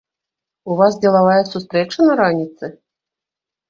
У вас дзелавая сустрэча на раніцы?